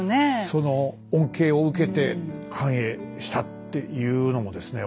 その恩恵を受けて繁栄したっていうのもですね